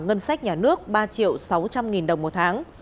ngân sách nhà nước ba triệu sáu trăm linh nghìn đồng một tháng